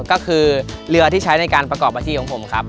ก็คือเรือที่ใช้ในการประกอบอาชีพของผมครับ